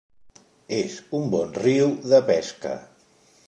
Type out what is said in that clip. És un bon riu de pesca.